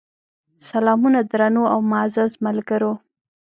سلامونه درنو او معزز ملګرو!